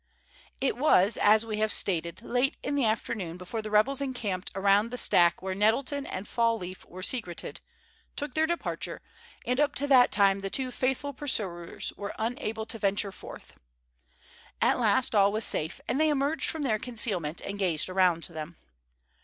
It was, as we have stated, late in the afternoon before the rebels encamped around the stack where Nettleton and Fall leaf were secreted, took their departure, and up to that time the two faithful pursuers were unable to venture forth. At last all was safe, and they emerged from their concealment, and gazed around them.